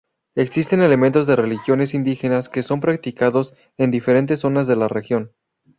Existen elementos de religiones indígenas que son practicados en diferentes zonas de la región.